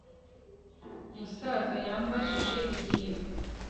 Umusaza yambajije igihe